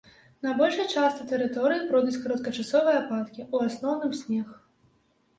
На большай частцы тэрыторыі пройдуць кароткачасовыя ападкі, у асноўным снег.